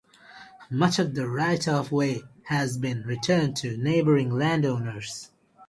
Much of the right-of-way has been returned to neighboring landowners.